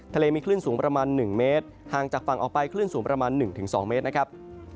ทะเลมีคลื่นสูงประมาณ๑เมตรห่างจากฝั่งออกไปคลื่นสูงประมาณ๑๒เมตรนะครับ